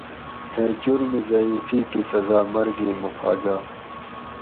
ھے جرم ضعیفی کی سزا مرگ مفاجات